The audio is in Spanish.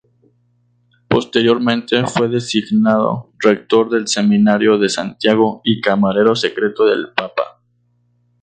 Posteriormente fue designado Rector del Seminario de Santiago y Camarero secreto del Papa.